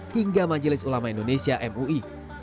hingga majelis ulama indonesia mui